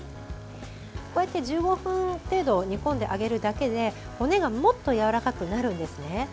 こうやって１５分程度煮込んであげるだけで骨がもっとやわらかくなるんですね。